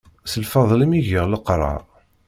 S lfeḍl-im i geɣ leqrar.